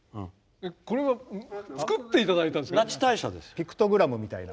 作っていただいたんですか。